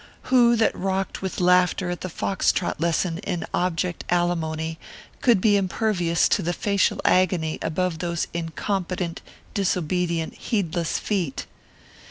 Who that rocked with laughter at the fox trot lesson in Object, Alimony, could be impervious to the facial agony above those incompetent, disobedient, heedless feet?